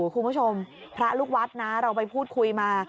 คุณผู้ชมพระลูกวัดนะเราไปพูดคุยมา